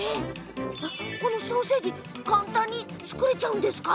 このソーセージ簡単に作れちゃうんですか？